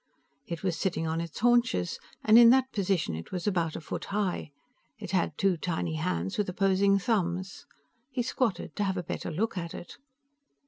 It was sitting on its haunches, and in that position it was about a foot high. It had two tiny hands with opposing thumbs. He squatted to have a better look at it.